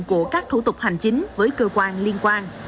của các thủ tục hành chính với cơ quan liên quan